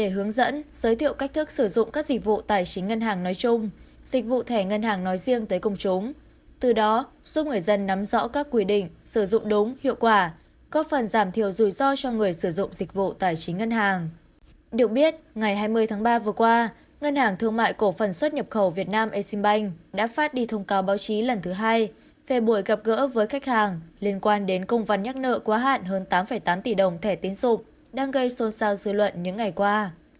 hôm qua ngân hàng thương mại cổ phần xuất nhập khẩu việt nam exim bank đã phát đi thông cáo báo chí lần thứ hai về buổi gặp gỡ với khách hàng liên quan đến công văn nhắc nợ quá hạn hơn tám tám tỷ đồng thẻ tiến sụp đang gây xôn xao dư luận những ngày qua